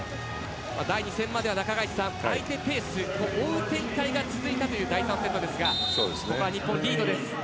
第２戦までは相手ペース追う展開が続いたという第３セットですがここは日本、リードです。